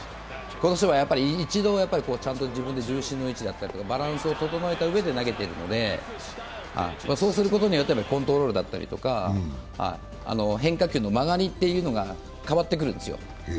今年は一度ちゃんと自分の重心の位置だったりとかバランスをとって投げているので、そうすることによってコントロールだったり変化球の曲がりっていうのが変わってくるんですよ。